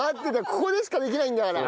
ここでしかできないんだから。